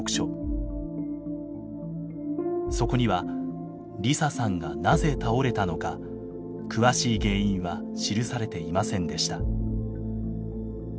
そこには梨沙さんがなぜ倒れたのか詳しい原因は記されていませんでした。